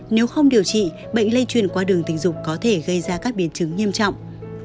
nếu không điều trị bệnh lây truyền qua đường tình dục có thể gây ra các biến chứng nghiêm trọng